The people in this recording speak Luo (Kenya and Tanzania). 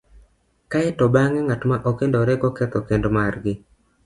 kae to bang'e ng'at ma okendorego ketho kend margi,